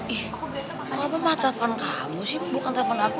ih kenapa mah telfon kamu sih bukan telfon aku